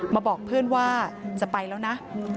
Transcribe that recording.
บอกเพื่อนว่าจะไปแล้วนะ